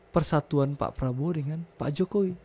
persatuan pak prabowo dengan pak jokowi